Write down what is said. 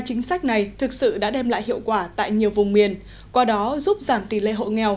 chính sách này thực sự đã đem lại hiệu quả tại nhiều vùng miền qua đó giúp giảm tỷ lệ hộ nghèo